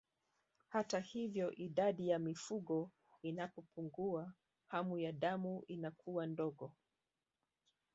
Hata hivyo idadi ya mifugo inapopungua hamu ya damu inakuwa ndogo